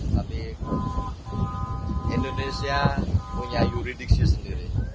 tapi indonesia punya juridiksi sendiri